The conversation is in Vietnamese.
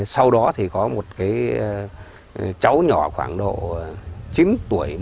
sau đó thì có một cái cháu nhỏ khoảng độ chín tuổi